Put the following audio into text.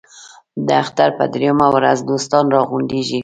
د اختر په درېیمه ورځ دوستان را غونډېږي.